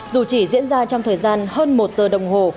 dù chỉ diễn ra trong thời gian hơn một giờ đồng hồ